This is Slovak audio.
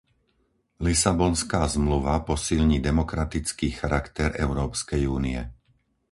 Lisabonská zmluva posilní demokratický charakter Európskej únie.